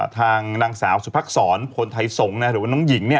ทางนางสาวสุภักษรพลไทยสงฆ์หรือว่าน้องหญิง